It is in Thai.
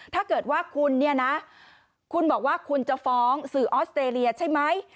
ถ้าเกิดว่าคุณเนี่ยนะคุณบอกว่าคุณจะฟ้องสื่อออสเตรเลียใช่ไหม